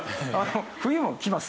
冬も来ます。